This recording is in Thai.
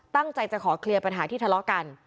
ตั้งใจจะขอเคลียร์ปัญหาที่ทะเลาะกัน